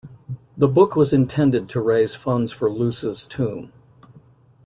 The book was intended to raise funds for Loos's tomb.